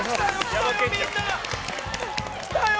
来たよ！